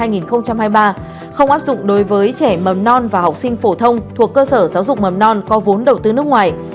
giáo dục đối với trẻ mầm non và học sinh phổ thông thuộc cơ sở giáo dục mầm non có vốn đầu tư nước ngoài